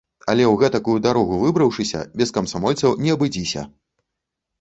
Але, у гэтакую дарогу выбраўшыся, без камсамольцаў не абыдзіся.